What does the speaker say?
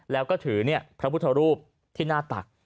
แล้วก็ถือพระพุทธรูปที่หน้าตัก